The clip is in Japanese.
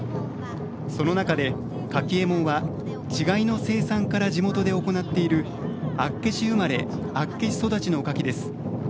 その中で、カキえもんは稚貝の生産から地元で行っている厚岸生まれ厚岸育ちのカキです。